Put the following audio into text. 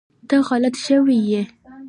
ته غلط شوی ېي